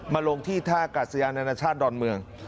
ลงที่ท่ากาศยานานาชาติดอนเมือง